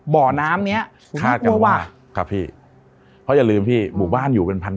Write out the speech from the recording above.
บ่อน้ำเนี้ยคาดว่าครับพี่เพราะอย่าลืมพี่หมู่บ้านอยู่เป็นพัน